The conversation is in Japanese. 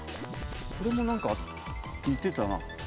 これも何か言ってたな。